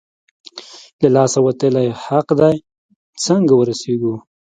له لاسه وتلی حق دی، څنګه ورسېږو؟